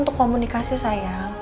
untuk komunikasi sayang